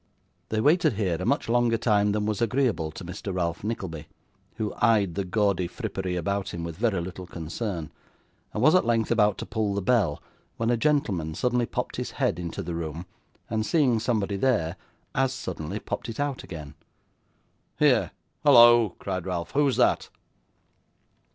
They waited here a much longer time than was agreeable to Mr. Ralph Nickleby, who eyed the gaudy frippery about him with very little concern, and was at length about to pull the bell, when a gentleman suddenly popped his head into the room, and, seeing somebody there, as suddenly popped it out again. 'Here. Hollo!' cried Ralph. 'Who's that?